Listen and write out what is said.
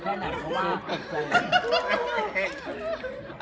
เพราะว่า